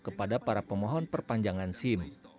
kepada para pemohon perpanjangan sim